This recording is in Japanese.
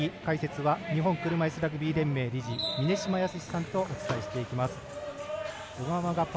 引き続き解説は日本車いすラグビー連盟理事峰島靖さんとお伝えしていきます。